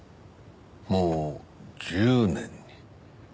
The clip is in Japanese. もう１０年に。